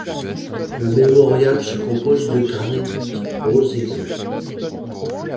Le mémorial se compose de granit rose et gris.